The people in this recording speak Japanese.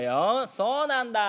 「そうなんだあ。